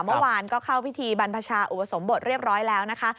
เมื่อวานก็เข้าพิธีบรรพชาอุปสมบทเรียบร้อยแล้วนะคะ